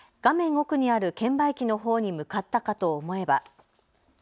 奥にある券売機のほうに向かったかと思えば。